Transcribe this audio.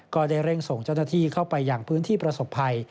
ก็ได้เร่งส่งเจ้าหน้าที่เข้าไปอย่างพื้นที่ประสบภัย